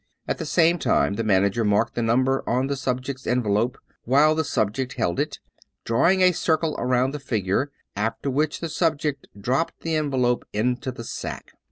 At the same time the manager marked the number on the sub ject's envelope, while the subject held it, drawing a circle around the figure, after which the subject dropped the en velope into the sack.